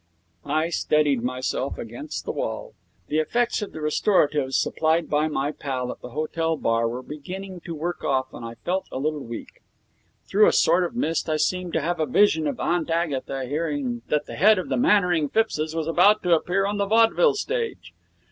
I steadied myself against the wall. The effects of the restoratives supplied by my pal at the hotel bar were beginning to work off, and I felt a little weak. Through a sort of mist I seemed to have a vision of Aunt Agatha hearing that the head of the Mannering Phippses was about to appear on the vaudeville stage.